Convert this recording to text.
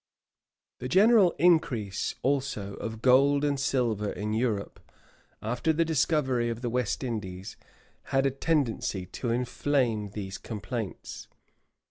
The general increase, also, of gold and silver in Europe, after the discovery of the West Indies, had a tendency to inflame these complaints.